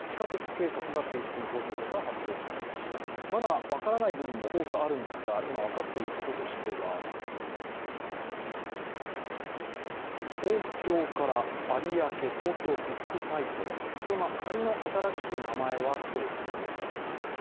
まだ分からない部分も多くあるんですが今分かっていることとしては、東京から有明、東京ビッグサイトまで、仮の新しい名前は今日、発表されています。